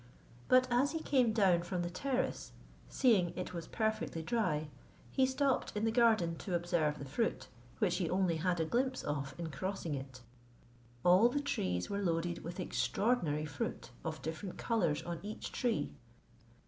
But as he came down from the terrace, seeing it was perfectly dry, he stopped in the garden to observe the fruit, which he only had a glimpse of in crossing it. All the trees were loaded with extraordinary fruit, of different colours on each tree.